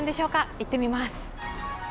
行ってみます。